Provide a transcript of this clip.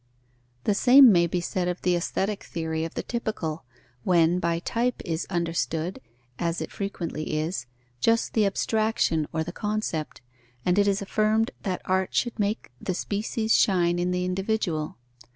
The same may be said of the aesthetic theory of the typical, when by type is understood, as it frequently is, just the abstraction or the concept, and it is affirmed that art should make the species shine in the individual.